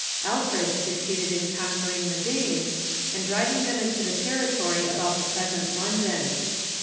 Alfred succeeded in conquering the Danes, and driving them into the territory about the pres ent London.